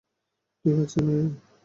ঠিক আছে, মেরি।